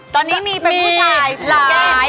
ทีนี้มีผู้หญิงเป็นผู้ชาย